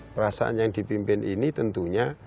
perasaan yang dipimpin ini tentunya